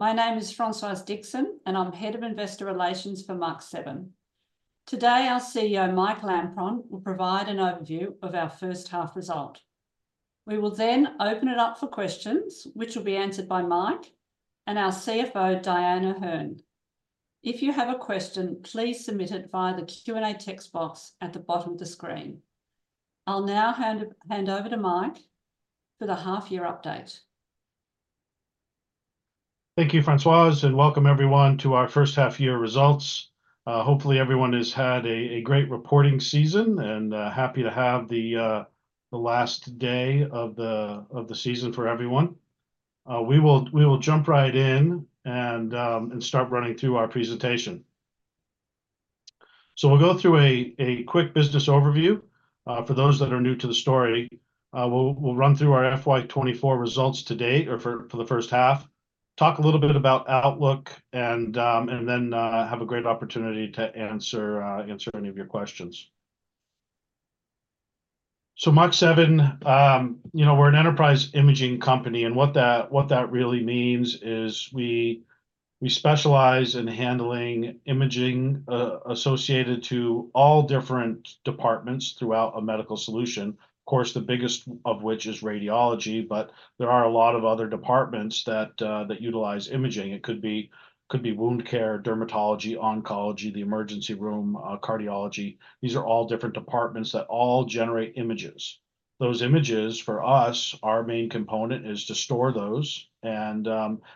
My name is Françoise Dixon, and I'm Head of Investor Relations for Mach7. Today, our CEO, Mike Lampron, will provide an overview of our first half result. We will then open it up for questions, which will be answered by Mike and our CFO, Dyan O'Herne. If you have a question, please submit it via the Q&A text box at the bottom of the screen. I'll now hand over to Mike for the half-year update. Thank you, Françoise, and welcome everyone to our first half-year results. Hopefully everyone has had a great reporting season, and happy to have the last day of the season for everyone. We will jump right in and start running through our presentation. So we'll go through a quick business overview. For those that are new to the story, we'll run through our FY 2024 results to date or for the first half, talk a little bit about outlook, and then have a great opportunity to answer any of your questions. So Mach7, you know, we're an enterprise imaging company, and what that really means is we specialize in handling imaging associated to all different departments throughout a medical solution. Of course, the biggest of which is radiology, but there are a lot of other departments that that utilize imaging. It could be wound care, dermatology, oncology, the emergency room, cardiology. These are all different departments that all generate images. Those images, for us, our main component is to store those and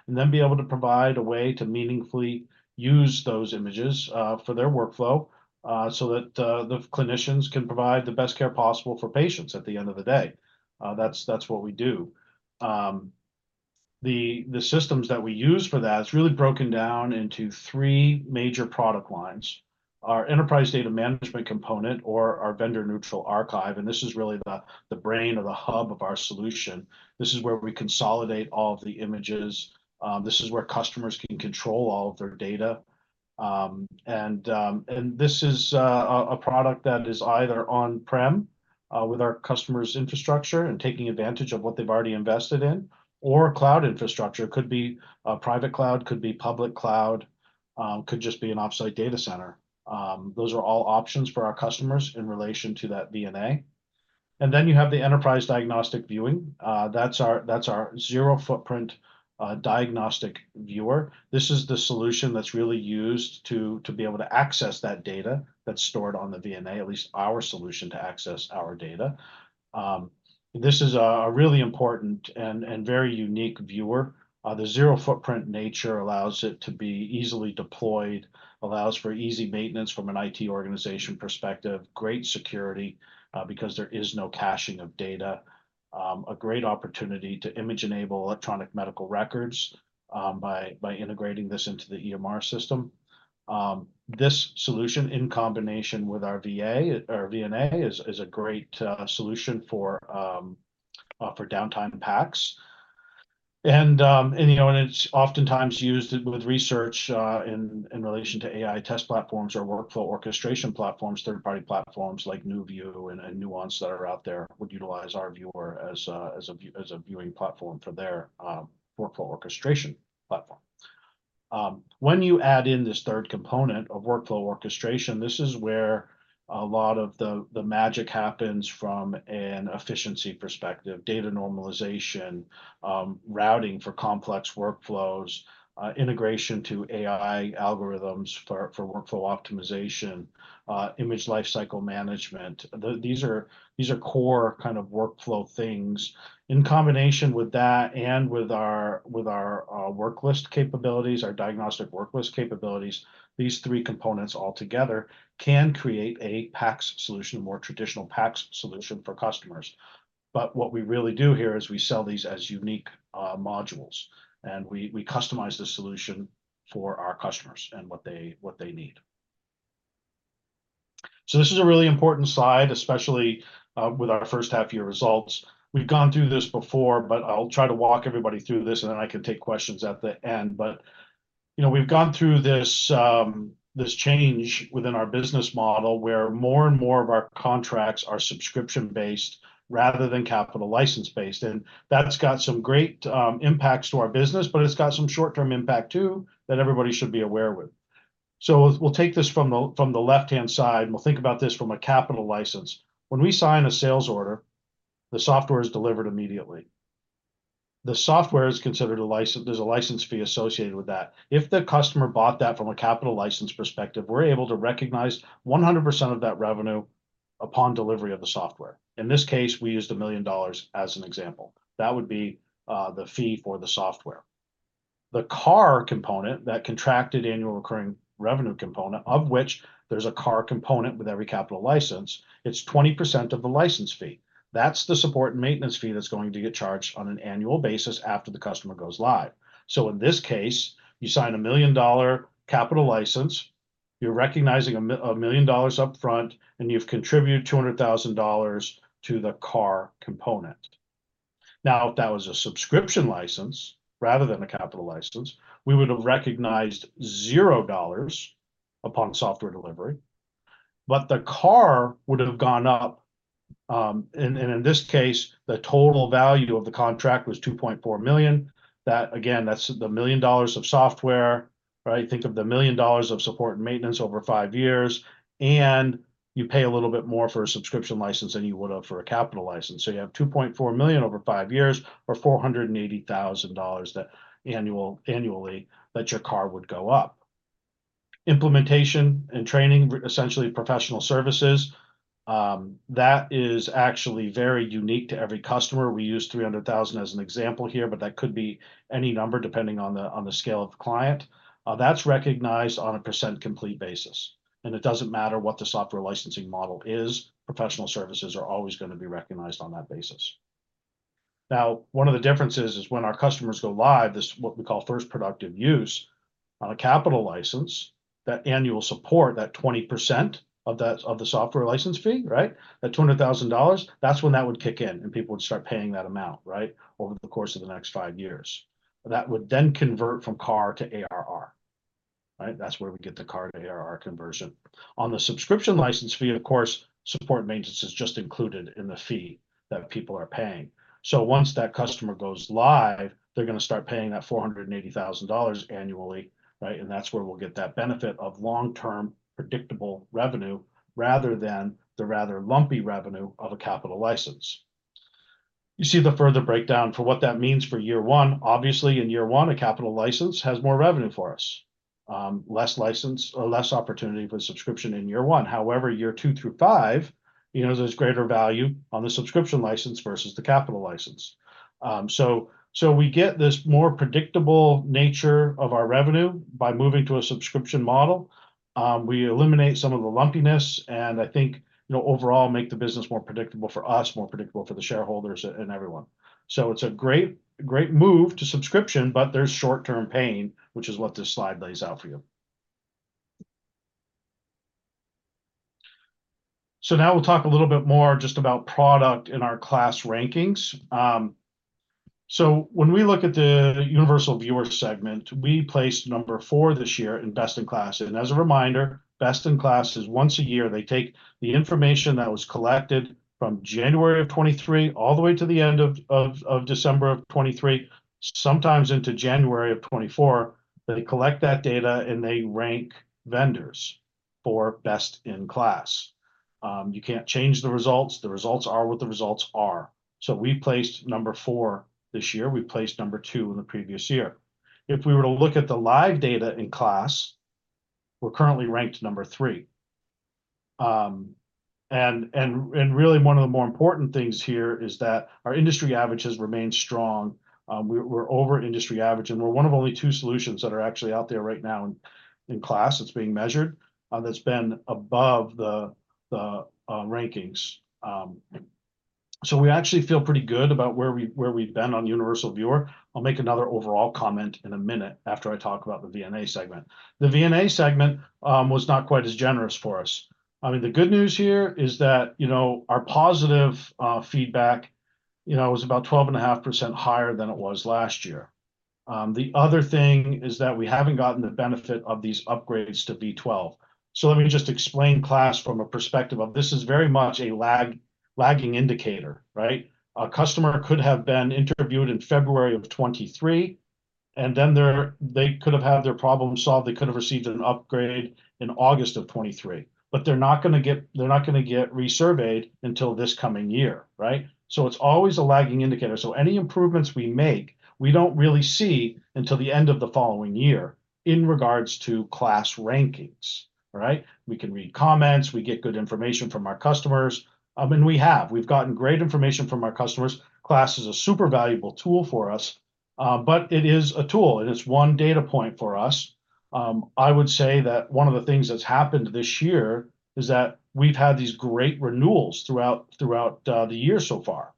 then be able to provide a way to meaningfully use those images for their workflow, so that the clinicians can provide the best care possible for patients at the end of the day. That's what we do. The systems that we use for that is really broken down into three major product lines. Our enterprise data management component, or our Vendor Neutral Archive, and this is really the brain or the hub of our solution. This is where we consolidate all of the images. This is where customers can control all of their data. This is a product that is either on-prem with our customer's infrastructure and taking advantage of what they've already invested in, or cloud infrastructure. Could be a private cloud, could be public cloud, could just be an off-site data center. Those are all options for our customers in relation to that VNA. And then you have the Enterprise Diagnostic Viewing. That's our zero-footprint diagnostic viewer. This is the solution that's really used to be able to access that data that's stored on the VNA, at least our solution to access our data. This is a really important and very unique viewer. The zero-footprint nature allows it to be easily deployed, allows for easy maintenance from an IT organization perspective, great security, because there is no caching of data, a great opportunity to image-enable electronic medical records, by integrating this into the EMR system. This solution, in combination with our VNA, is a great solution for downtime PACS. And, you know, it's oftentimes used with research in relation to AI test platforms or workflow orchestration platforms, third-party platforms like NewVue and Nuance that are out there, would utilize our viewer as a viewing platform for their workflow orchestration platform. When you add in this third component of workflow orchestration, this is where a lot of the magic happens from an efficiency perspective, data normalization, routing for complex workflows, integration to AI algorithms for workflow optimization, image lifecycle management. These are core kind of workflow things. In combination with that and with our worklist capabilities, our diagnostic worklist capabilities, these three components altogether can create a PACS solution, a more traditional PACS solution for customers. But what we really do here is we sell these as unique modules, and we customize the solution for our customers and what they need. So this is a really important slide, especially with our first half-year results. We've gone through this before, but I'll try to walk everybody through this, and then I can take questions at the end. But, you know, we've gone through this, this change within our business model, where more and more of our contracts are subscription-based rather capital license-based, and that's got some great, impacts to our business, but it's got some short-term impact too, that everybody should be aware with. So we'll take this from the left-hand side, and we'll think about this from capital license. when we sign a sales order, the software is delivered immediately. The software is considered a license. There's a license fee associated with that. If the customer bought that from capital license perspective, we're able to recognize 100% of that revenue upon delivery of the software. In this case, we used a million dollars as an example. That would be the fee for the software. The CARR component, that contracted annual recurring revenue component, of which there's a CARR component with capital license, it's 20% of the license fee. That's the support and maintenance fee that's going to get charged on an annual basis after the customer goes live. So in this case, you sign a capital license, you're recognizing a million dollars up front, and you've contributed two hundred thousand dollars to the CARR component. Now, if that was a subscription license rather than capital license, we would have recognized zero dollars upon software delivery, but the CARR would have gone up, and in this case, the total value of the contract was two point four million. That, again, that's the million dollars of software, right? Think of the 1 million dollars of support and maintenance over five years, and you pay a little bit more for a subscription license than you would have for capital license. so you have 2.4 million over five years, or 480,000 dollars annually that your CARR would go up. Implementation and training, essentially professional services, that is actually very unique to every customer. We use 300,000 as an example here, but that could be any number, depending on the scale of the client. That's recognized on a % complete basis, and it doesn't matter what the software licensing model is, professional services are always gonna be recognized on that basis. Now, one of the differences is when our customers go live, this is what we call first productive use, on capital license, that annual support, that 20% of that, of the software license fee, right? That AUD 200,000, that's when that would kick in, and people would start paying that amount, right, over the course of the next five years. That would then convert from CARR to ARR. Right? That's where we get the CARR to ARR conversion. On the subscription license fee, of course, support maintenance is just included in the fee that people are paying. So once that customer goes live, they're gonna start paying that 480,000 dollars annually, right? And that's where we'll get that benefit of long-term, predictable revenue, rather than the rather lumpy revenue of a capital license. You see the further breakdown for what that means for year one. Obviously, in year one, capital license has more revenue for us. Less license or less opportunity for subscription in year one. However, year two through five, you know, there's greater value on the subscription license versus capital license. so, so we get this more predictable nature of our revenue by moving to a subscription model. We eliminate some of the lumpiness, and I think, you know, overall, make the business more predictable for us, more predictable for the shareholders and everyone. So it's a great, great move to subscription, but there's short-term pain, which is what this slide lays out for you. So now we'll talk a little bit more just about product in our KLAS rankings. So when we look at the Universal Viewer segment, we placed number four this year in Best in KLAS. As a reminder, Best in KLAS is once a year, they take the information that was collected from January of 2023, all the way to the end of December of 2023, sometimes into January of 2024. They collect that data, and they rank vendors for Best in KLAS. You can't change the results. The results are what the results are. So we placed number four this year. We placed number two in the previous year. If we were to look at the live data in KLAS, we're currently ranked number three. And really, one of the more important things here is that our industry average has remained strong. We're over industry average, and we're one of only two solutions that are actually out there right now in KLAS that's being measured, that's been above the rankings. So we actually feel pretty good about where we've been on Universal Viewer. I'll make another overall comment in a minute after I talk about the VNA segment. The VNA segment was not quite as generous for us. I mean, the good news here is that, you know, our positive feedback, you know, was about 12.5% higher than it was last year. The other thing is that we haven't gotten the benefit of these upgrades to V12. So let me just explain KLAS from a perspective of this is very much a lagging indicator, right? A customer could have been interviewed in February of 2023, and then they could have had their problem solved, they could have received an upgrade in August of 2023, but they're not gonna get resurveyed until this coming year, right? So it's always a lagging indicator. So any improvements we make, we don't really see until the end of the following year in regards to KLAS rankings, right? We can read comments, we get good information from our customers, and we've gotten great information from our customers. KLAS is a super valuable tool for us, but it is a tool, and it's one data point for us. I would say that one of the things that's happened this year is that we've had these great renewals throughout the year so far.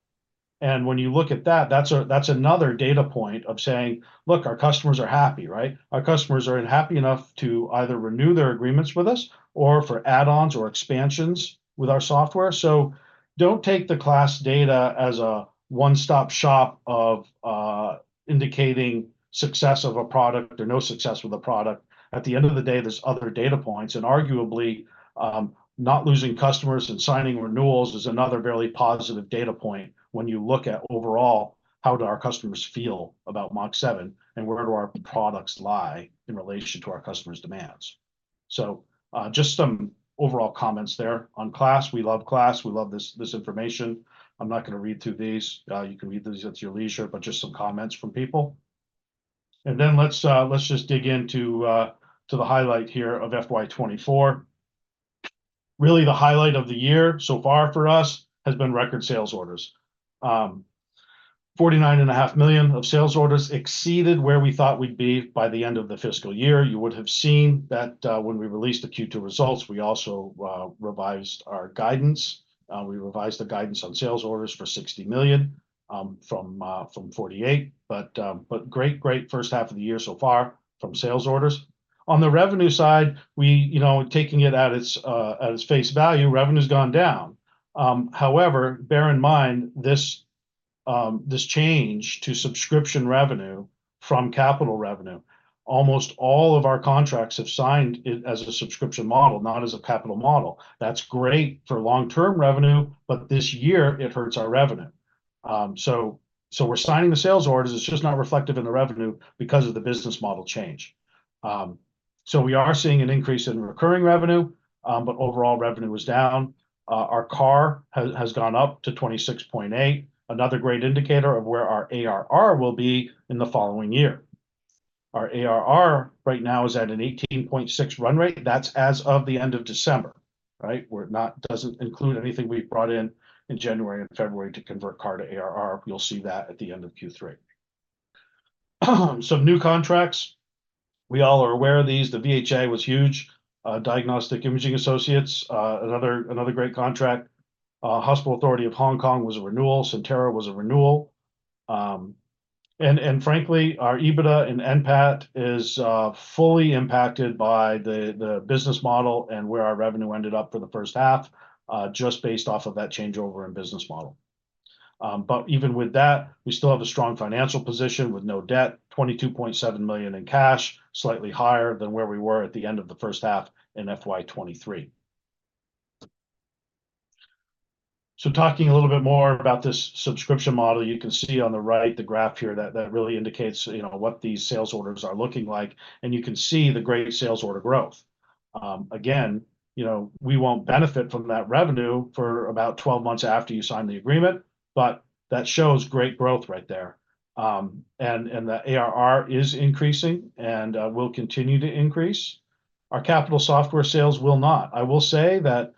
When you look at that, that's another data point of saying, "Look, our customers are happy, right? Our customers are happy enough to either renew their agreements with us or for add-ons or expansions with our software." So don't take the KLAS data as a one-stop shop of, indicating success of a product or no success with a product. At the end of the day, there's other data points, and arguably, not losing customers and signing renewals is another very positive data point when you look at overall, how do our customers feel about Mach7, and where do our products lie in relation to our customers' demands? So, just some overall comments there on KLAS. We love KLAS. We love this, this information. I'm not gonna read through these. You can read these at your leisure, but just some comments from people. Let's just dig into the highlight here of FY 2024. Really, the highlight of the year so far for us has been record sales orders. 49.5 million of sales orders exceeded where we thought we'd be by the end of the fiscal year. You would have seen that, when we released the Q2 results, we also revised our guidance. We revised the guidance on sales orders for 60 million, from 48. But, but great, great first half of the year so far from sales orders. On the revenue side, we... You know, taking it at its, at its face value, revenue's gone down. However, bear in mind, this-... This change to subscription revenue from capital revenue, almost all of our contracts have signed it as a subscription model, not as a capital model. That's great for long-term revenue, but this year it hurts our revenue. So we're signing the sales orders, it's just not reflective in the revenue because of the business model change. So we are seeing an increase in recurring revenue, but overall revenue is down. Our CARR has gone up to 26.8, another great indicator of where our ARR will be in the following year. Our ARR right now is at an 18.6 run rate. That's as of the end of December, right? It doesn't include anything we've brought in, in January and February to convert CARR to ARR. You'll see that at the end of Q3. Some new contracts, we all are aware of these. The VHA was huge. Diagnostic Imaging Associates, another great contract. Hospital Authority of Hong Kong was a renewal. Sentara was a renewal. And frankly, our EBITDA and NPAT is fully impacted by the business model and where our revenue ended up for the first half, just based off of that changeover in business model. But even with that, we still have a strong financial position with no debt, 22.7 million in cash, slightly higher than where we were at the end of the first half in FY 2023. So talking a little bit more about this subscription model, you can see on the right, the graph here, that really indicates, you know, what these sales orders are looking like, and you can see the great sales order growth. Again, you know, we won't benefit from that revenue for about 12 months after you sign the agreement, but that shows great growth right there. And the ARR is increasing, and will continue to increase. Our capital software sales will not. I will say that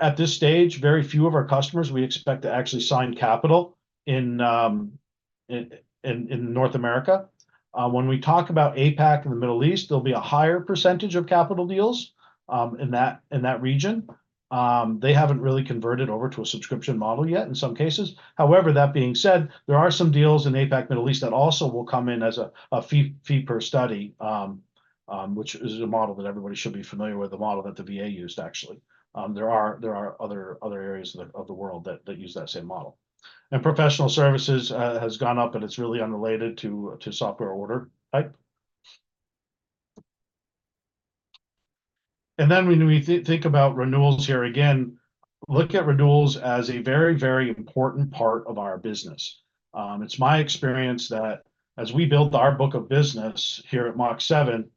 at this stage, very few of our customers we expect to actually sign capital in North America. When we talk about APAC and the Middle East, there'll be a higher percentage of capital deals in that region. They haven't really converted over to a subscription model yet, in some cases. However, that being said, there are some deals in APAC, Middle East, that also will come in as a fee per study, which is a model that everybody should be familiar with, the model that the VA used, actually. There are other areas of the world that use that same model. And professional services has gone up, and it's really unrelated to software order, right? And then when we think about renewals here, again, look at renewals as a very, very important part of our business. It's my experience that as we build our book of business here at Mach7,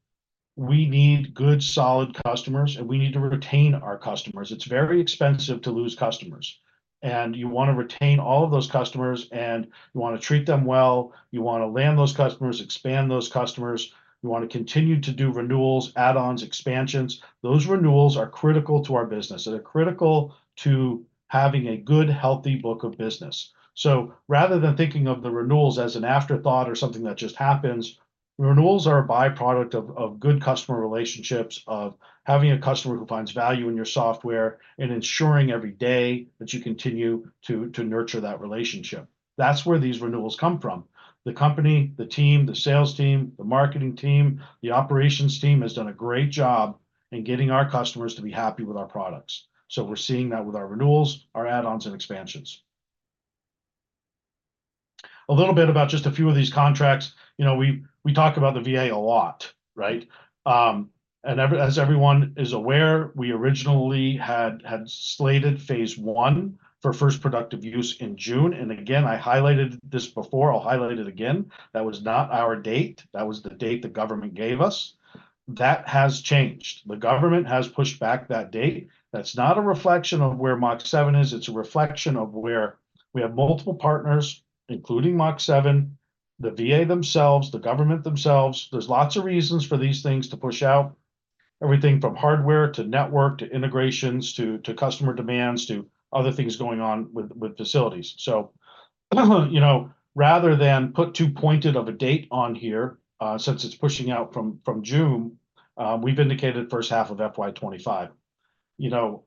we need good, solid customers, and we need to retain our customers. It's very expensive to lose customers, and you wanna retain all of those customers, and you wanna treat them well. You wanna land those customers, expand those customers. You want to continue to do renewals, add-ons, expansions. Those renewals are critical to our business, and they're critical to having a good, healthy book of business. So rather than thinking of the renewals as an afterthought or something that just happens, renewals are a by-product of good customer relationships, of having a customer who finds value in your software, and ensuring every day that you continue to nurture that relationship. That's where these renewals come from. The company, the team, the sales team, the marketing team, the operations team has done a great job in getting our customers to be happy with our products. So we're seeing that with our renewals, our add-ons, and expansions. A little bit about just a few of these contracts. You know, we talk about the VA a lot, right? As everyone is aware, we originally had slated phase first productive use in june. And again, I highlighted this before, I'll highlight it again, that was not our date, that was the date the government gave us. That has changed. The government has pushed back that date. That's not a reflection of where Mach7 is, it's a reflection of where we have multiple partners, including Mach7, the VA themselves, the government themselves. There's lots of reasons for these things to push out, everything from hardware, to network, to integrations, to customer demands, to other things going on with facilities. So, you know, rather than put too pointed of a date on here, since it's pushing out from June, we've indicated first half of FY 2025. You know,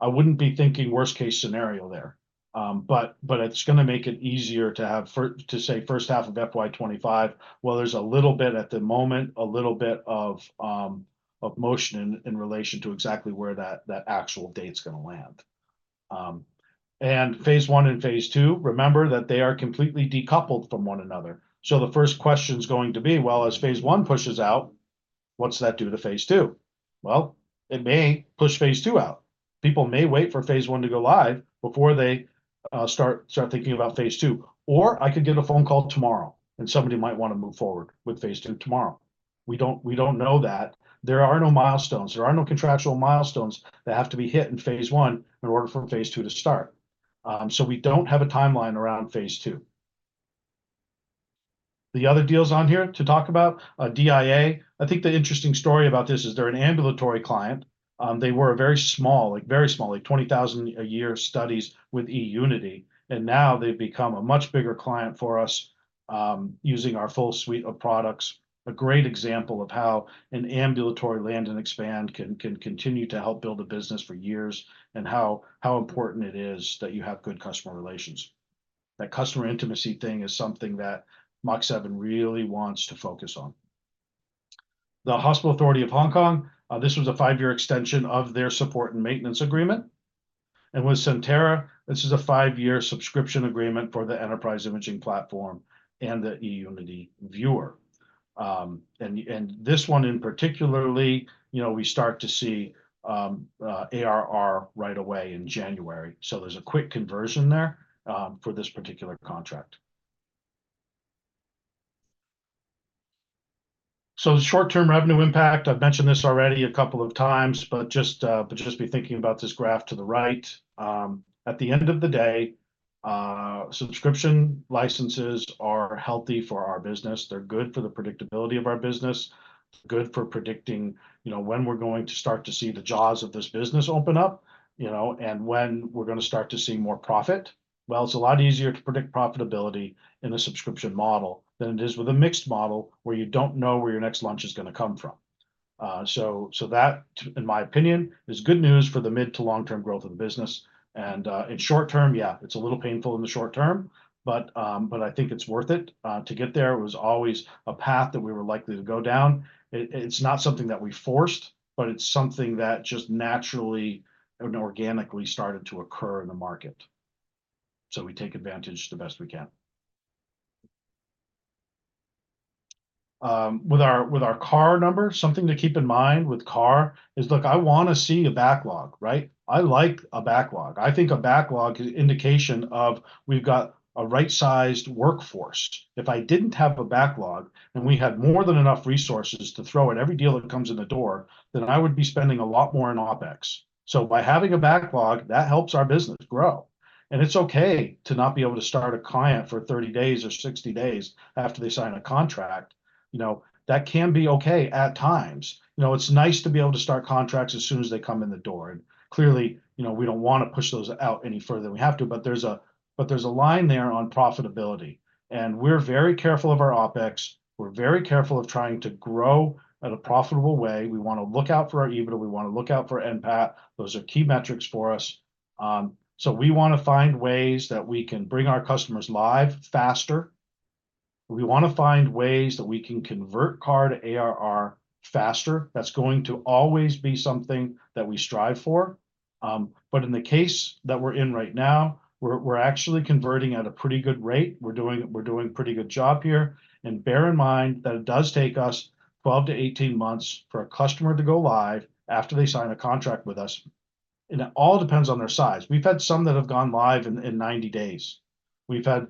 I wouldn't be thinking worst case scenario there. But it's gonna make it easier to say first half of FY 25. Well, there's a little bit at the moment, a little bit of motion in relation to exactly where that actual date's gonna land. And phase one and phase two, remember that they are completely decoupled from one another. So the first question's going to be, well, as phase one pushes out, what's that do to phase two? Well, it may push phase two out. People may wait for phase one to go live before they start thinking about phase two. Or I could get a phone call tomorrow, and somebody might wanna move forward with phase two tomorrow. We don't know that. There are no milestones. There are no contractual milestones that have to be hit in phase one in order for phase two to start. So we don't have a timeline around phase two. The other deals on here to talk about, DIA. I think the interesting story about this is they're an ambulatory client. They were a very small, like very small, like 20,000 a year studies with eUnity, and now they've become a much bigger client for us, using our full suite of products. A great example of how an ambulatory land and expand can, can continue to help build a business for years, and how, how important it is that you have good customer relations. That customer intimacy thing is something that Mach7 really wants to focus on. The Hospital Authority of Hong Kong, this was a five-year extension of their support and maintenance agreement. With Sentara, this is a five-year subscription agreement for the enterprise imaging platform and the eUnity viewer. And this one in particular, you know, we start to see ARR right away in January. So there's a quick conversion there for this particular contract. So the short-term revenue impact, I've mentioned this already a couple of times, but just, but just be thinking about this graph to the right. At the end of the day, subscription licenses are healthy for our business. They're good for the predictability of our business, good for predicting, you know, when we're going to start to see the jaws of this business open up, you know, and when we're gonna start to see more profit. Well, it's a lot easier to predict profitability in a subscription model than it is with a mixed model, where you don't know where your next lunch is gonna come from. So that, in my opinion, is good news for the mid to long-term growth of the business. And in short term, yeah, it's a little painful in the short term, but I think it's worth it. To get there was always a path that we were likely to go down. It's not something that we forced, but it's something that just naturally and organically started to occur in the market. So we take advantage the best we can. With our CARR number, something to keep in mind with CARR is, look, I wanna see a backlog, right? I like a backlog. I think a backlog is indication of we've got a right-sized workforce. If I didn't have a backlog, and we had more than enough resources to throw at every deal that comes in the door, then I would be spending a lot more in OpEx. So by having a backlog, that helps our business grow, and it's okay to not be able to start a client for 30 days or 60 days after they sign a contract. You know, that can be okay at times. You know, it's nice to be able to start contracts as soon as they come in the door, and clearly, you know, we don't want to push those out any further than we have to, but there's a line there on profitability. And we're very careful of our OpEx. We're very careful of trying to grow at a profitable way. We want to look out for our EBITDA. We want to look out for NPAT. Those are key metrics for us. So we want to find ways that we can bring our customers live faster. We want to find ways that we can convert CARR to ARR faster. That's going to always be something that we strive for. But in the case that we're in right now, we're actually converting at a pretty good rate. We're doing a pretty good job here. And bear in mind that it does take us 12-18 months for a customer to go live after they sign a contract with us, and it all depends on their size. We've had some that have gone live in 90 days. We've had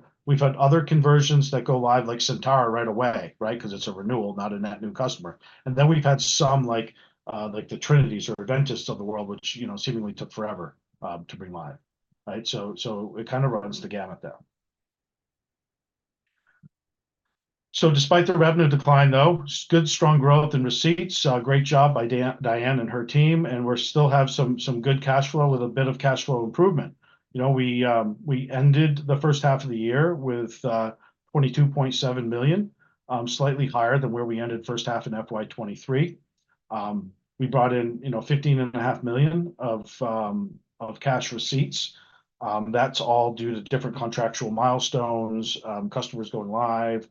other conversions that go live, like Sentara, right away, right? Because it's a renewal, not a net new customer. And then we've had some, like, like the Trinities or Adventists of the world, which, you know, seemingly took forever, to bring live. Right? So, so it kind of runs the gamut there. So despite the revenue decline, though, good, strong growth in receipts. Great job by Dyan and her team, and we still have some, some good cash flow with a bit of cash flow improvement. You know, we, we ended the first half of the year with, 22.7 million, slightly higher than where we ended first half in FY 2023. We brought in, you know, 15.5 million of, of cash receipts. That's all due to different contractual milestones, customers going live,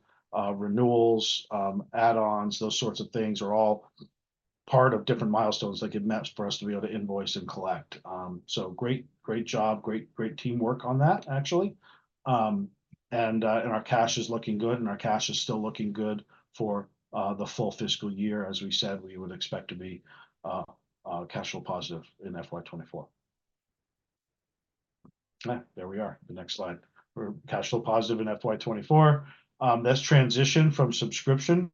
renewals, add-ons, those sorts of things are all part of different milestones that get matched for us to be able to invoice and collect. So great, great job, great, great teamwork on that, actually. And our cash is looking good, and our cash is still looking good for the full fiscal year. As we said, we would expect to be cash flow positive in FY 2024. There we are, the next slide. We're cash flow positive in FY 2024. That's transition from subscription.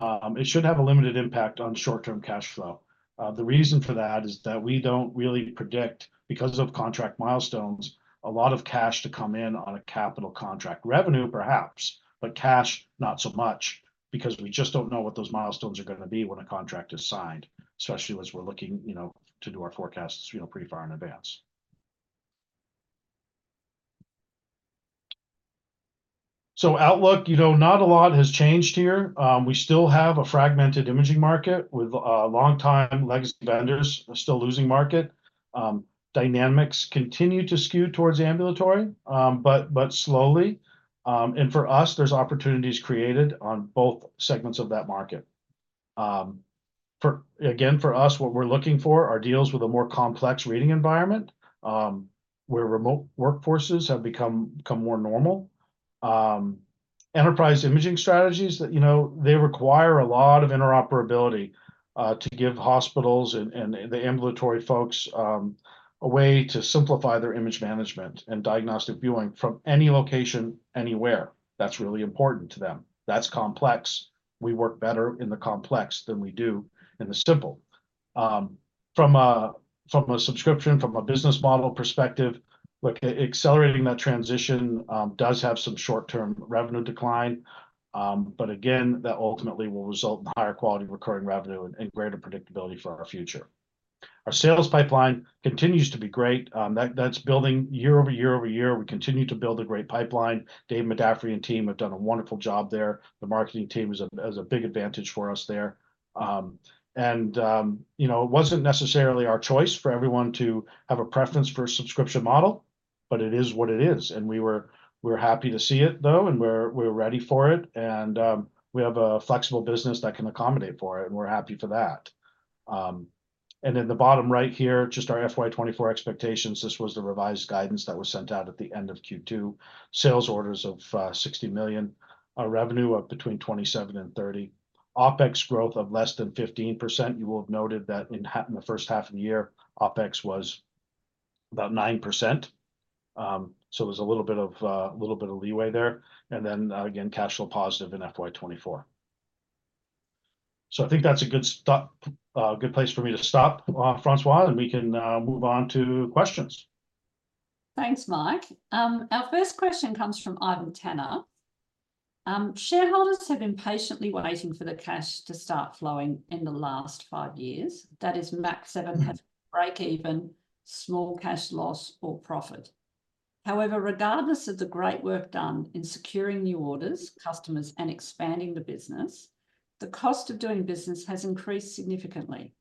It should have a limited impact on short-term cash flow. The reason for that is that we don't really predict, because of contract milestones, a lot of cash to come in on a capital contract. Revenue, perhaps, but cash, not so much, because we just don't know what those milestones are gonna be when a contract is signed, especially as we're looking, you know, to do our forecasts, you know, pretty far in advance. So outlook, you know, not a lot has changed here. We still have a fragmented imaging market with longtime legacy vendors are still losing market. Dynamics continue to skew towards ambulatory, but slowly. And for us, there's opportunities created on both segments of that market. Again, for us, what we're looking for are deals with a more complex reading environment, where remote workforces have become more normal. Enterprise imaging strategies that, you know, they require a lot of interoperability, to give hospitals and, and the ambulatory folks, a way to simplify their image management and diagnostic viewing from any location, anywhere. That's really important to them. That's complex. We work better in the complex than we do in the simple. From a subscription, from a business model perspective, look, accelerating that transition, does have some short-term revenue decline. But again, that ultimately will result in higher quality recurring revenue and, and greater predictability for our future. Our sales pipeline continues to be great. That, that's building year over year over year. We continue to build a great pipeline. Dave McAfee and team have done a wonderful job there. The marketing team is a big advantage for us there. And, you know, it wasn't necessarily our choice for everyone to have a preference for a subscription model, but it is what it is, and we were, we're happy to see it, though, and we're, we're ready for it. And, we have a flexible business that can accommodate for it, and we're happy for that. And in the bottom right here, just our FY24 expectations, this was the revised guidance that was sent out at the end of Q2. Sales orders of 60 million, a revenue of between 27 million and 30 million. OpEx growth of less than 15%. You will have noted that in the first half of the year, OpEx was about 9%. So there's a little bit of little bit of leeway there, and then, again, cash flow positive in FY24. So I think that's a good place for me to stop, Françoise, and we can move on to questions. Thanks, Mike. Our first question comes from Ivan Tanner. "Shareholders have been patiently waiting for the cash to start flowing in the last five years, that is, Mach7- Mm-hmm... have break even, small cash loss or profit. However, regardless of the great work done in securing new orders, customers, and expanding the business, the cost of doing business has increased significantly.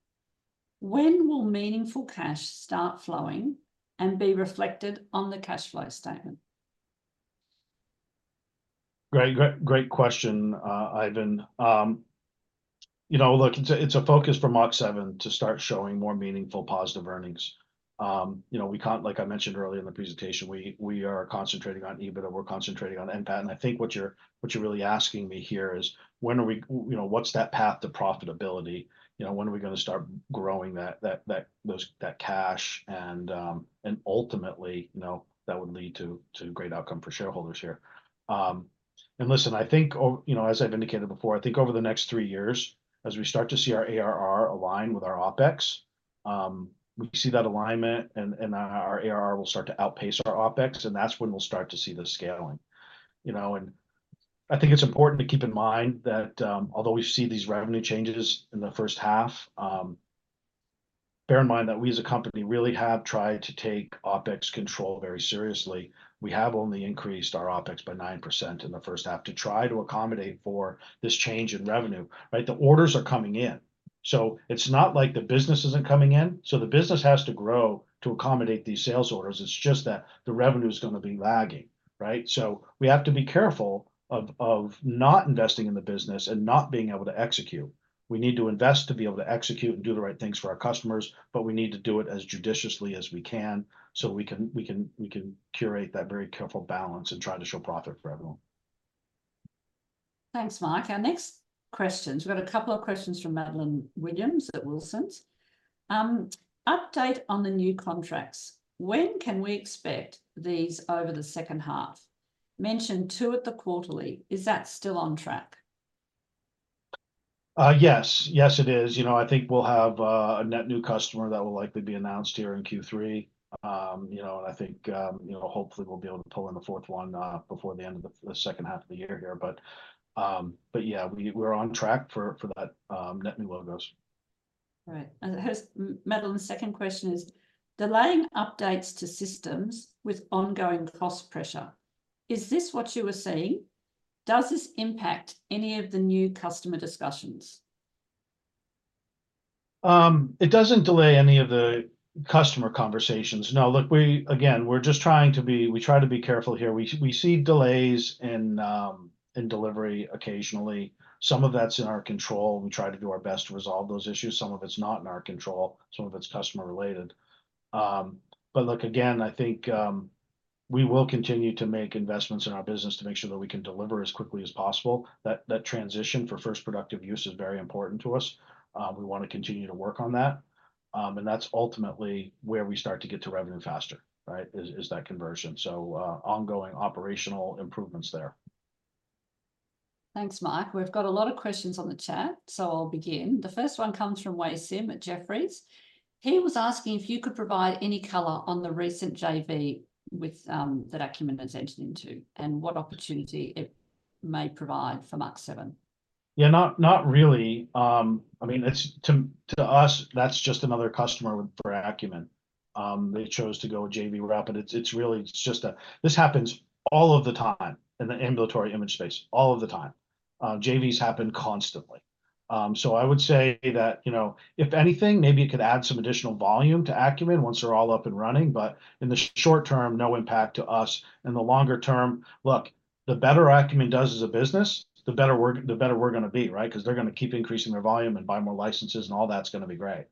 When will meaningful cash start flowing and be reflected on the cash flow statement? Great, great, great question, Ivan. You know, look, it's a focus for Mach7 to start showing more meaningful positive earnings. Like I mentioned earlier in the presentation, we are concentrating on EBITDA, we're concentrating on NPAT, and I think what you're really asking me here is when are we... you know, what's that path to profitability? You know, when are we gonna start growing that cash, and ultimately, you know, that would lead to great outcome for shareholders here. And listen, I think you know, as I've indicated before, I think over the next three years, as we start to see our ARR align with our OpEx, we see that alignment, and, and, our ARR will start to outpace our OpEx, and that's when we'll start to see the scaling. You know, and I think it's important to keep in mind that, although we see these revenue changes in the first half, bear in mind that we as a company really have tried to take OpEx control very seriously. We have only increased our OpEx by 9% in the first half to try to accommodate for this change in revenue, right? The orders are coming in, so it's not like the business isn't coming in. So the business has to grow to accommodate these sales orders; it's just that the revenue's gonna be lagging, right? So we have to be careful of not investing in the business and not being able to execute. We need to invest to be able to execute and do the right things for our customers, but we need to do it as judiciously as we can so we can curate that very careful balance and try to show profit for everyone. Thanks, Mike. Our next questions, we've got a couple of questions from Madeline Williams at Wilsons. "Update on the new contracts, when can we expect these over the second half? Mentioned two at the quarterly. Is that still on track? Yes. Yes, it is. You know, I think we'll have a net new customer that will likely be announced here in Q3. You know, and I think, you know, hopefully we'll be able to pull in a fourth one before the end of the second half of the year here, but yeah, we're on track for that net new logos. Right, and Madeline's second question is: "Delaying updates to systems with ongoing cost pressure, is this what you were seeing? Does this impact any of the new customer discussions? It doesn't delay any of the customer conversations. No, look, we, again, we're just trying to be. We try to be careful here. We see delays in delivery occasionally. Some of that's in our control. We try to do our best to resolve those issues. Some of it's not in our control, some of it's customer related. But look, again, I think, we will continue to make investments in our business to make sure that we can deliver as quickly as possible. That first productive use is very important to us. We wanna continue to work on that, and that's ultimately where we start to get to revenue faster, right, is that conversion. So, ongoing operational improvements there. Thanks, Mike. We've got a lot of questions on the chat, so I'll begin. The first one comes from Wei Sim at Jefferies. He was asking if you could provide any color on the recent JV with that Akumin has entered into, and what opportunity it may provide for Mach7. Yeah, not really. I mean, it's to us, that's just another customer for Akumin. They chose to go with JV route, but it's really just a... This happens all of the time in the ambulatory imaging space, all of the time. JVs happen constantly. So I would say that, you know, if anything, maybe it could add some additional volume to Akumin once they're all up and running, but in the short term, no impact to us. In the longer term, look, the better Akumin does as a business, the better we're gonna be, right? 'Cause they're gonna keep increasing their volume and buy more licenses, and all that's gonna be great.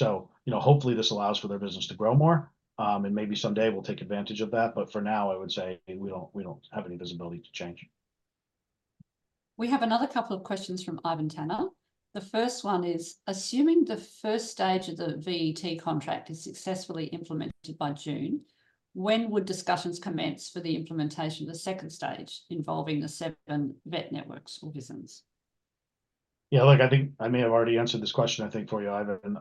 You know, hopefully this allows for their business to grow more, and maybe someday we'll take advantage of that, but for now, I would say we don't, we don't have any visibility to change. We have another couple of questions from Ivan Tanner. The first one is, "Assuming the first stage of the VT contract is successfully implemented by June, when would discussions commence for the implementation of the second stage, involving the seven vet networks or business? Yeah, look, I think I may have already answered this question, I think, for you, Ivan.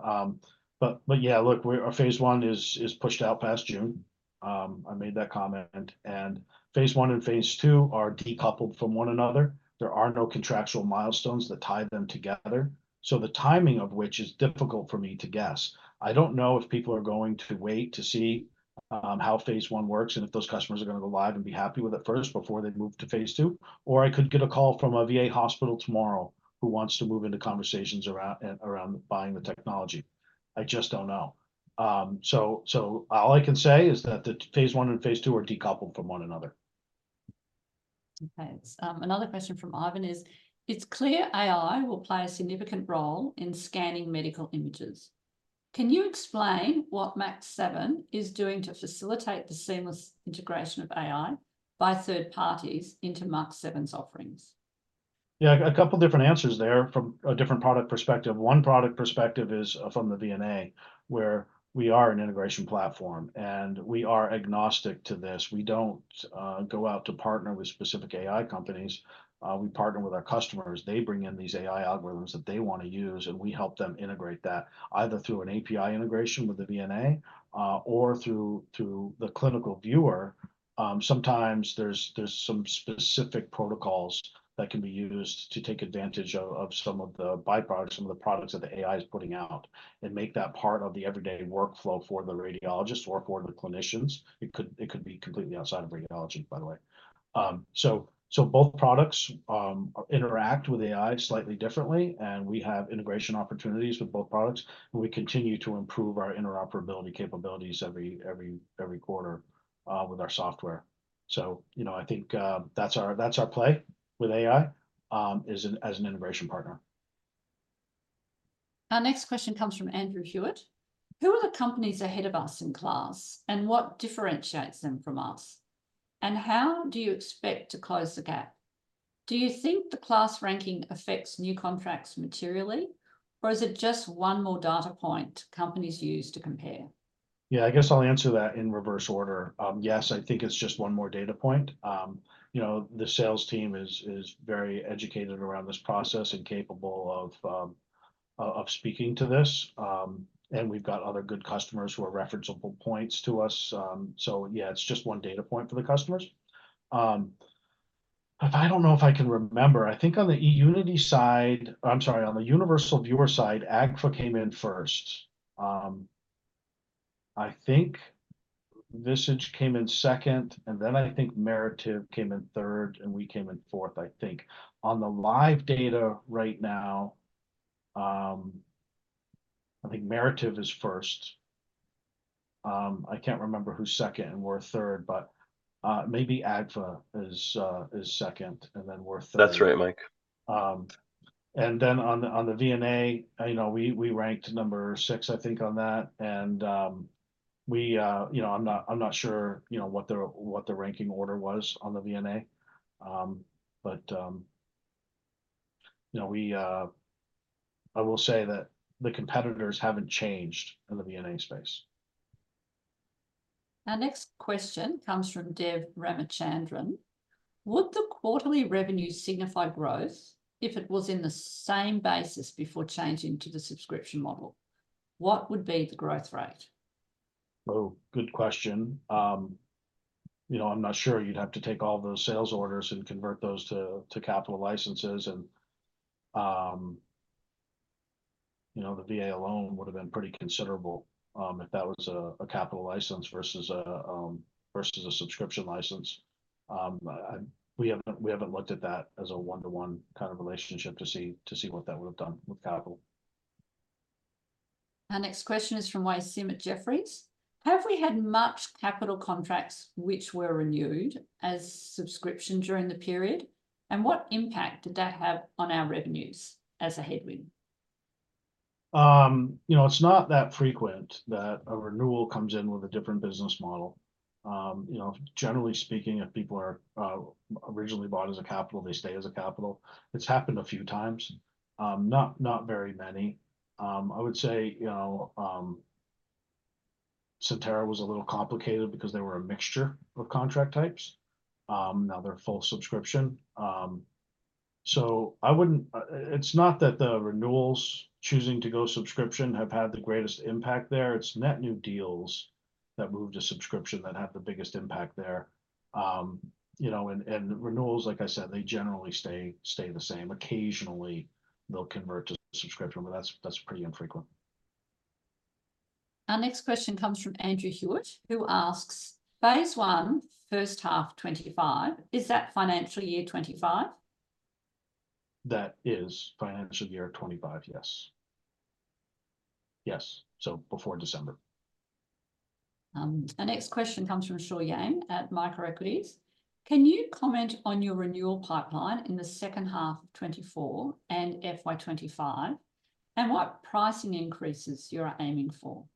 But yeah, look, our phase one is pushed out past June. I made that comment. And phase one and phase two are decoupled from one another. There are no contractual milestones that tie them together, so the timing of which is difficult for me to guess. I don't know if people are going to wait to see how phase one works, and if those customers are gonna go live and be happy with it first before they move to phase two, or I could get a call from a VA hospital tomorrow, who wants to move into conversations around buying the technology. I just don't know. So all I can say is that phase one and phase two are decoupled from one another. ... Okay, it's another question from Ivan is: It's clear AI will play a significant role in scanning medical images. Can you explain what Mach7 is doing to facilitate the seamless integration of AI by third parties into Mach7's offerings? Yeah, a couple different answers there from a different product perspective. One product perspective is from the VNA, where we are an integration platform, and we are agnostic to this. We don't go out to partner with specific AI companies. We partner with our customers. They bring in these AI algorithms that they wanna use, and we help them integrate that, either through an API integration with the VNA or through the clinical viewer. Sometimes there's some specific protocols that can be used to take advantage of some of the byproducts, some of the products that the AI is putting out, and make that part of the everyday workflow for the radiologist or for the clinicians. It could be completely outside of radiology, by the way. So, both products interact with AI slightly differently, and we have integration opportunities with both products, and we continue to improve our interoperability capabilities every quarter with our software. So, you know, I think that's our play with AI as an integration partner. Our next question comes from Andrew Hewitt: Who are the companies ahead of us in KLAS, and what differentiates them from us? And how do you expect to close the gap? Do you think the KLAS ranking affects new contracts materially, or is it just one more data point companies use to compare? Yeah, I guess I'll answer that in reverse order. Yes, I think it's just one more data point. You know, the sales team is very educated around this process, and capable of speaking to this. And we've got other good customers who are referenceable points to us. So yeah, it's just one data point for the customers. But I don't know if I can remember. I think on the eUnity side... I'm sorry, on the Universal Viewer side, Agfa came in first. I think Visage came in second, and then I think Merative came in third, and we came in fourth, I think. On the live data right now, I think Merative is first. I can't remember who's second and we're third, but maybe Agfa is second, and then we're third. That's right, Mike. And then on the VNA, you know, we ranked number six, I think, on that. And, You know, I'm not sure, you know, what the ranking order was on the VNA. But, you know, I will say that the competitors haven't changed in the VNA space. Our next question comes from Dev Ramachandran: Would the quarterly revenue signify growth if it was in the same basis before changing to the subscription model? What would be the growth rate? Oh, good question. You know, I'm not sure. You'd have to take all those sales orders and convert those capital licenses, and you know, the VA alone would've been pretty considerable, if that was capital license versus a subscription license. We haven't looked at that as a one-to-one kind of relationship to see what that would've done with capital. Our next question is from Wei Sim at Jefferies: Have we had much capital contracts which were renewed as subscription during the period? And what impact did that have on our revenues as a headwind? You know, it's not that frequent that a renewal comes in with a different business model. You know, generally speaking, if people are originally bought as a capital, they stay as a capital. It's happened a few times, not very many. I would say, you know, Sentara was a little complicated because they were a mixture of contract types. Now they're full subscription. So I wouldn't... It's not that the renewals choosing to go subscription have had the greatest impact there, it's net new deals that moved to subscription that have the biggest impact there. You know, and renewals, like I said, they generally stay the same. Occasionally, they'll convert to subscription, but that's pretty infrequent. Our next question comes from Andrew Hewitt, who asks, "Phase one, first half 2025, is that financial year 2025? That is financial year 2025, yes. Yes, so before December. Our next question comes from Shaoyang at Microequities: Can you comment on your renewal pipeline in the second half of 2024 and FY 2025, and what pricing increases you're aiming for?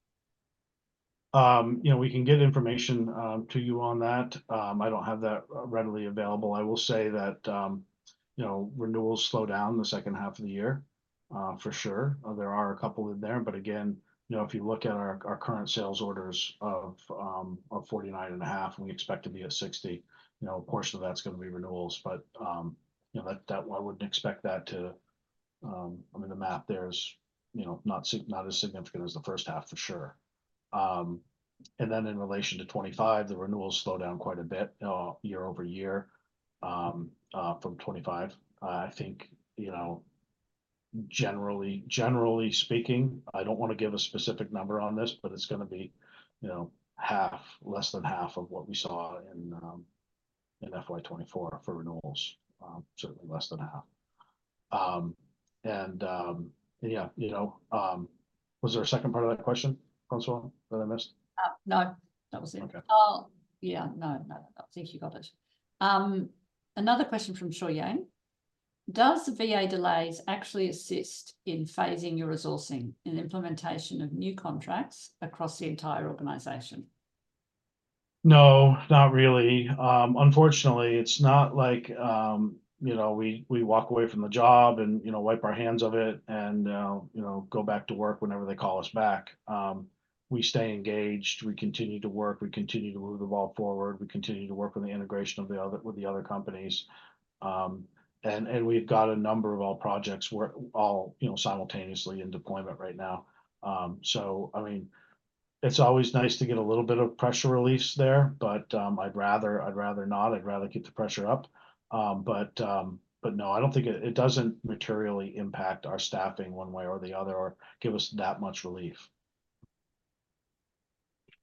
You know, we can get information to you on that. I don't have that readily available. I will say that, you know, renewals slow down the second half of the year, for sure. There are a couple in there, but again, you know, if you look at our current sales orders of 49.5, and we expect to be at 60, you know, a portion of that's gonna be renewals. But, you know, that, that... I wouldn't expect that to... I mean, the math there is, you know, not as significant as the first half, for sure. And then in relation to 2025, the renewals slow down quite a bit, year over year, from 2025. I think, you know, generally, generally speaking, I don't wanna give a specific number on this, but it's gonna be, you know, half, less than half of what we saw in FY 2024 for renewals. Certainly less than half. And yeah, you know, was there a second part of that question, Françoise, that I missed? No, that was it. Okay. Oh, yeah, no, no, I think you got it. Another question from Shaoyang: Does the VA delays actually assist in phasing your resourcing and implementation of new contracts across the entire organization? No, not really. Unfortunately, it's not like, you know, we, we walk away from the job and, you know, wipe our hands of it, and, you know, go back to work whenever they call us back. We stay engaged, we continue to work, we continue to move the ball forward, we continue to work on the integration of the other- with the other companies. And, and we've got a number of our projects we're all, you know, simultaneously in deployment right now. So, I mean, it's always nice to get a little bit of pressure release there, but, I'd rather- I'd rather not. I'd rather keep the pressure up. But, but no, I don't think it... It doesn't materially impact our staffing one way or the other, or give us that much relief.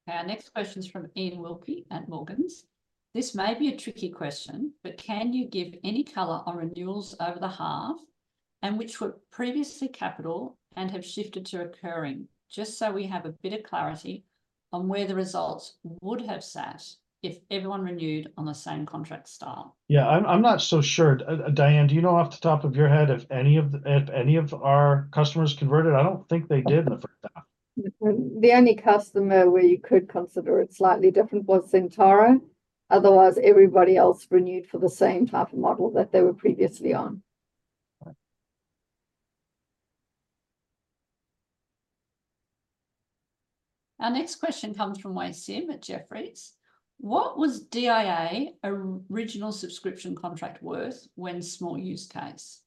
Our next question is from Iain Wilkie at Morgans: This may be a tricky question, but can you give any color on renewals over the half, and which were previously capital and have shifted to occurring, just so we have a bit of clarity on where the results would have sat if everyone renewed on the same contract style? Yeah, I'm not so sure. Dyan, do you know off the top of your head if any of our customers converted? I don't think they did. The only customer where you could consider it slightly different was Sentara. Otherwise, everybody else renewed for the same type of model that they were previously on. Right. Our next question comes from Wei Sim at Jefferies: What was DIA original subscription contract worth when small use case?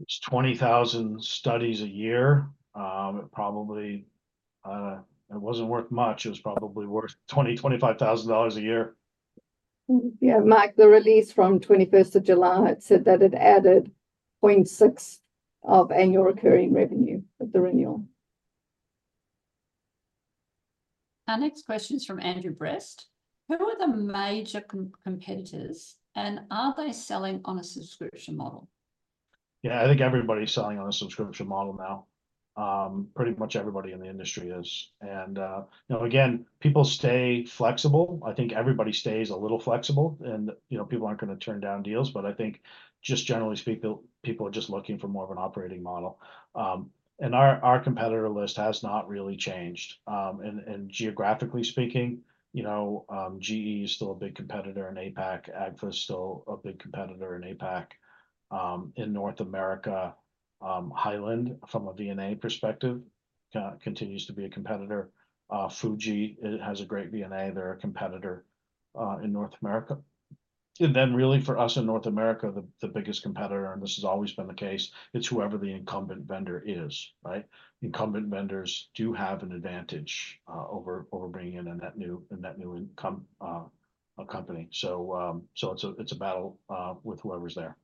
It's 20,000 studies a year. It probably, it wasn't worth much, it was probably worth $20-$25,000 a year. Yeah, Mike, the release from 21st of July, it said that it added 0.6 of annual recurring revenue at the renewal. Our next question is from Andrew Hewitt: Who are the major competitors, and are they selling on a subscription model? Yeah, I think everybody's selling on a subscription model now. Pretty much everybody in the industry is. And, you know, again, people stay flexible. I think everybody stays a little flexible, and, you know, people aren't gonna turn down deals, but I think just generally speaking, people are just looking for more of an operating model. And our competitor list has not really changed. And geographically speaking, you know, GE is still a big competitor in APAC. Agfa is still a big competitor in APAC. In North America, Hyland, from a VNA perspective, continues to be a competitor. Fuji, it has a great VNA, they're a competitor, in North America. And then really for us in North America, the biggest competitor, and this has always been the case, it's whoever the incumbent vendor is, right? Incumbent vendors do have an advantage over bringing in a net new incumbent company. So, it's a battle with whoever's there.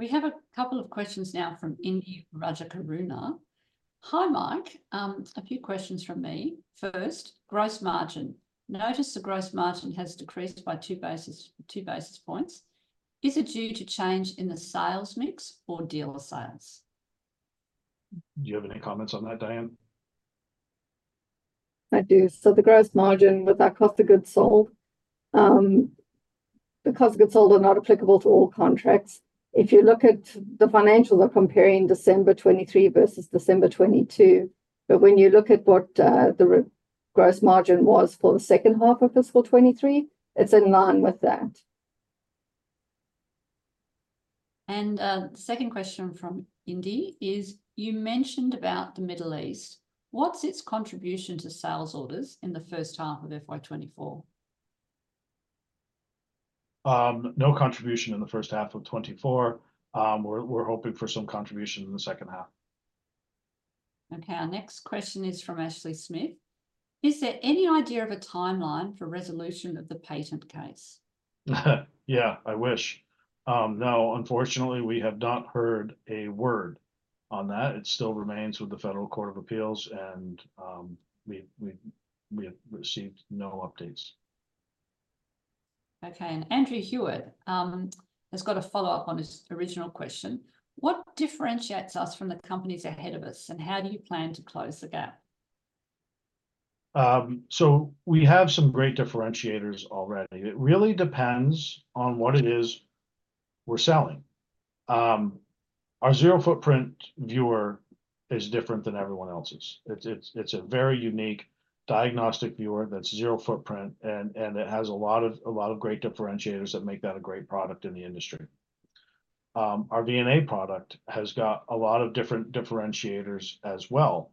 We have a couple of questions now from Indie Rajakaruna. Hi, Mike, a few questions from me. First, gross margin. Notice the gross margin has decreased by two basis points. Is it due to change in the sales mix or dealer sales? Do you have any comments on that, Dyan? I do. So the gross margin with our cost of goods sold, the cost of goods sold are not applicable to all contracts. If you look at the financials are comparing December 2023 versus December 2022, but when you look at what, the gross margin was for the second half of fiscal 2023, it's in line with that. The second question from Indie is: You mentioned about the Middle East, what's its contribution to sales orders in the first half of FY24? No contribution in the first half of 2024. We're hoping for some contribution in the second half. Okay, our next question is from Ashley Smith: Is there any idea of a timeline for resolution of the patent case? Yeah, I wish. No, unfortunately, we have not heard a word on that. It still remains with the Federal Court of Appeals, and we have received no updates. Okay, and Andrew Hewitt has got a follow-up on his original question: What differentiates us from the companies ahead of us, and how do you plan to close the gap? So we have some great differentiators already. It really depends on what it is we're selling. Our zero-footprint viewer is different than everyone else's. It's a very unique diagnostic viewer that's zero-footprint, and it has a lot of great differentiators that make that a great product in the industry. Our VNA product has got a lot of different differentiators as well.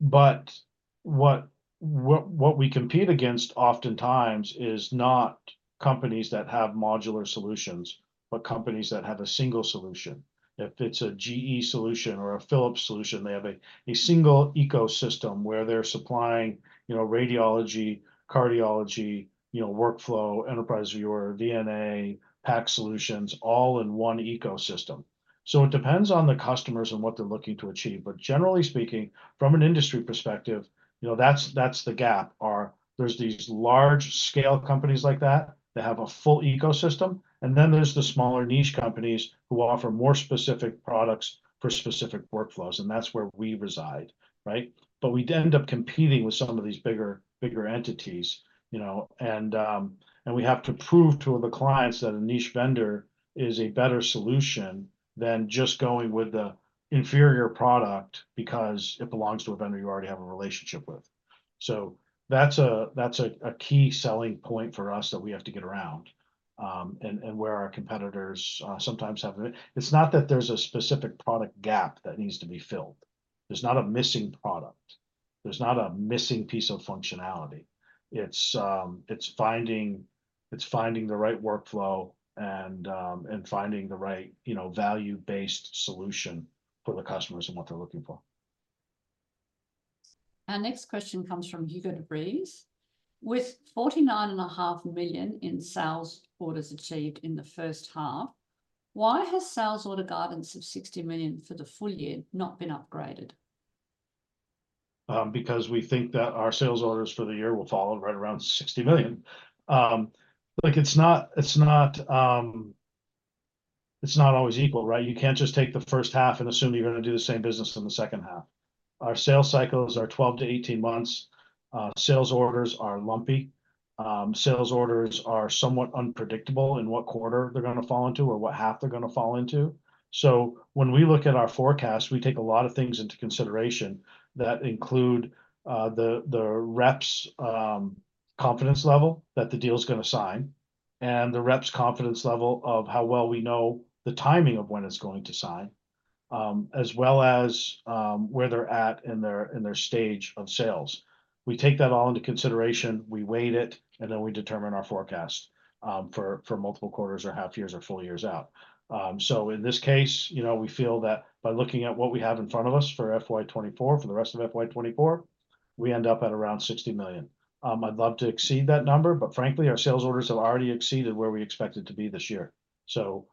But what we compete against oftentimes is not companies that have modular solutions, but companies that have a single solution. If it's a GE solution or a Philips solution, they have a single ecosystem where they're supplying, you know, radiology, cardiology, you know, workflow, enterprise viewer, VNA, PACS solutions, all in one ecosystem. So it depends on the customers and what they're looking to achieve. But generally speaking, from an industry perspective, you know, that's the gap. Or there's these large-scale companies like that, that have a full ecosystem, and then there's the smaller niche companies who offer more specific products for specific workflows, and that's where we reside, right? But we do end up competing with some of these bigger entities, you know, and we have to prove to the clients that a niche vendor is a better solution than just going with the inferior product because it belongs to a vendor you already have a relationship with. So that's a key selling point for us that we have to get around, and where our competitors sometimes have it. It's not that there's a specific product gap that needs to be filled. There's not a missing product. There's not a missing piece of functionality. It's finding the right workflow and finding the right, you know, value-based solution for the customers and what they're looking for. Our next question comes from Hugo de Vries: With 49.5 million in sales orders achieved in the first half, why has sales order guidance of 60 million for the full year not been upgraded? Because we think that our sales orders for the year will fall right around 60 million. Look, it's not always equal, right? You can't just take the first half and assume you're gonna do the same business in the second half. Our sales cycles are 12-18 months. Sales orders are lumpy. Sales orders are somewhat unpredictable in what quarter they're gonna fall into or what half they're gonna fall into. So when we look at our forecast, we take a lot of things into consideration that include the rep's confidence level that the deal's gonna sign, and the rep's confidence level of how well we know the timing of when it's going to sign, as well as where they're at in their stage of sales. We take that all into consideration, we weight it, and then we determine our forecast for multiple quarters or half years or full years out. So in this case, you know, we feel that by looking at what we have in front of us for FY2024, for the rest of FY2024, we end up at around 60 million. I'd love to exceed that number, but frankly, our sales orders have already exceeded where we expected to be this year. So,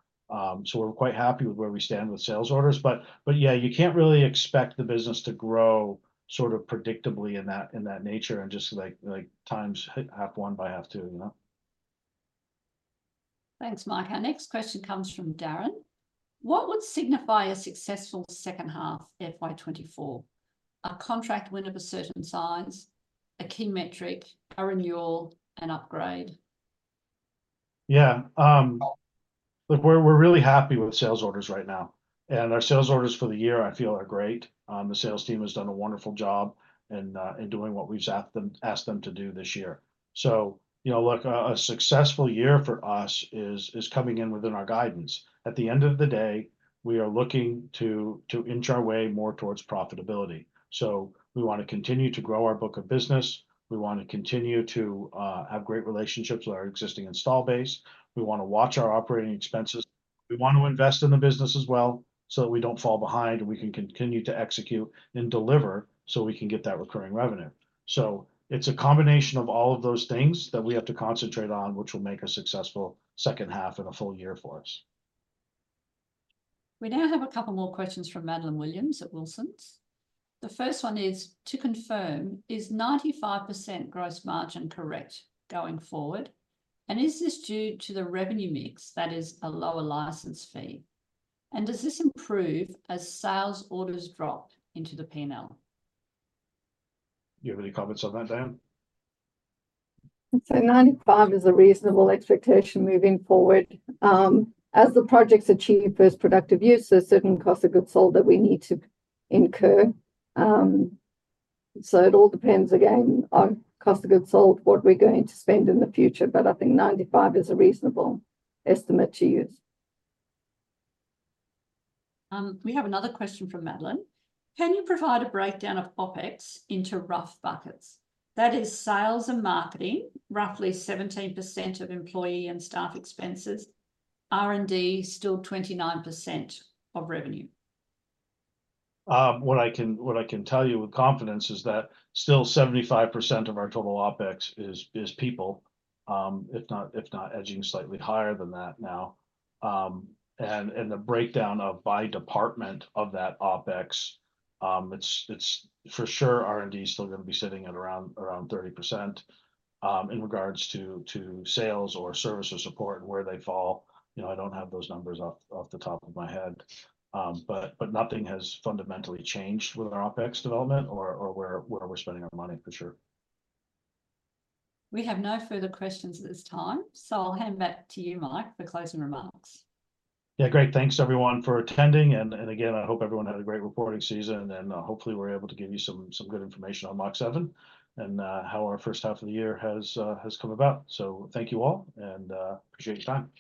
so we're quite happy with where we stand with sales orders. But, but yeah, you can't really expect the business to grow sort of predictably in that, in that nature, and just like times hit half one by half two, you know? Thanks, Mike. Our next question comes from Darren: What would signify a successful second half FY2024? A contract win of a certain size, a key metric, a renewal, an upgrade? Yeah. Look, we're really happy with sales orders right now, and our sales orders for the year I feel are great. The sales team has done a wonderful job in doing what we've asked them to do this year. So, you know, look, a successful year for us is coming in within our guidance. At the end of the day, we are looking to inch our way more towards profitability. So we want to continue to grow our book of business, we want to continue to have great relationships with our existing install base, we want to watch our operating expenses. We want to invest in the business as well, so that we don't fall behind, and we can continue to execute and deliver, so we can get that recurring revenue. It's a combination of all of those things that we have to concentrate on, which will make a successful second half and a full year for us. We now have a couple more questions from Madeline Williams at Wilsons. The first one is: To confirm, is 95% gross margin correct going forward? And is this due to the revenue mix, that is, a lower license fee? And does this improve as sales orders drop into the P&L? You have any comments on that, Dyan? So 95 is a reasonable expectation moving forward. As the first productive use, there's certain cost of goods sold that we need to incur. So it all depends again on cost of goods sold, what we're going to spend in the future, but I think 95 is a reasonable estimate to use. We have another question from Madeline. Can you provide a breakdown of OpEx into rough buckets? That is sales and marketing, roughly 17% of employee and staff expenses, R&D still 29% of revenue. What I can tell you with confidence is that still 75% of our total OpEx is people, if not edging slightly higher than that now. And the breakdown of by department of that OpEx, it's... For sure, R&D is still gonna be sitting at around 30%. In regards to sales or service or support and where they fall, you know, I don't have those numbers off the top of my head. But nothing has fundamentally changed with our OpEx development or where we're spending our money, for sure. We have no further questions at this time, so I'll hand back to you, Mike, for closing remarks. Yeah, great. Thanks, everyone, for attending, and again, I hope everyone had a great reporting season. And, hopefully we're able to give you some good information on Mach7 and how our first half of the year has come about. So thank you all, and appreciate your time.